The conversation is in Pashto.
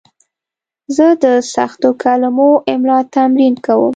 زه د سختو کلمو املا تمرین کوم.